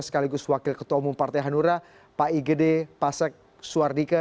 sekaligus wakil ketua umum partai hanura pak igd pak sek suwardike